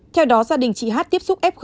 theo đó gia đình chị hát tiếp xúc f